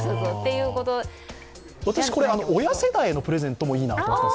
私、これ、親世代へのプレゼントにもいいなと。